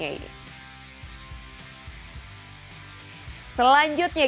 selanjutnya kita akan mencetak gol di real madrid